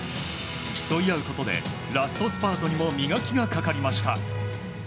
競い合うことでラストスパートにも磨きがかかりました。